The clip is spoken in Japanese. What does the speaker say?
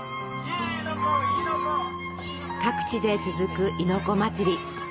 各地で続く亥の子祭り。